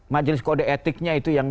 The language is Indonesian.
majelis kode etiknya itu yang